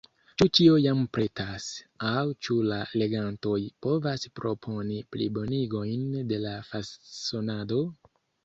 Ĉu ĉio jam pretas, aŭ ĉu la legantoj povas proponi plibonigojn de la fasonado?